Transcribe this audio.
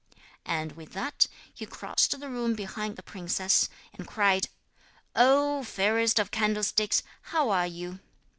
And with that he crossed the room behind the princess, and cried: 'O fairest of candlesticks, how are you?'